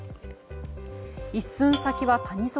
一寸先は谷底。